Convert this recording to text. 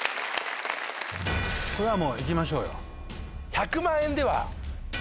これはもういきましょうよ。